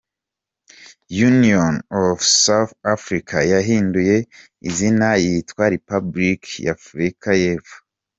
Union of South Africa yahinduye izina yitwa Repubulika ya Afurika y’epfo.